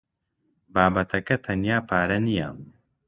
بابەتەکە تەنیا پارە نییە.